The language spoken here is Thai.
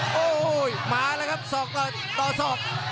โอ้โหมาแล้วครับศอกต่อศอก